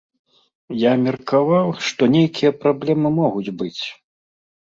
Я меркаваў, што нейкія праблемы могуць быць.